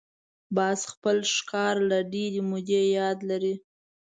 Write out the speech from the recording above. باز خپل ښکار له ډېرې مودې یاد لري